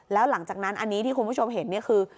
แล้วหลังจากนั้นอันนี้ที่คุณผู้ชมเห็นเนี่ยคือ